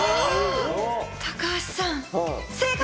高橋さん、正解！